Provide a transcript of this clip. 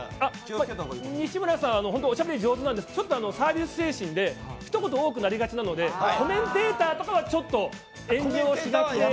西村さん、ほんとおしゃべり上手なので、ちょっとサービス精神でひと言、多くなりがちなのでコメンテーターはちょっと遠慮して。